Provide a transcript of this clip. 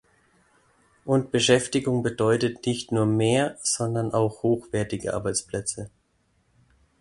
Und Beschäftigung bedeutet nicht nur mehr, sondern auch hochwertige Arbeitsplätze.